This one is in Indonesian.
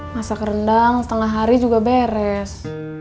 masak rendang setengah hari juga beres